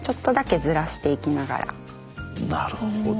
なるほど。